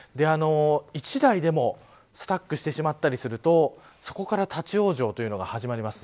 １台でもスタックしてしまったりするとそこから立ち往生が始まります。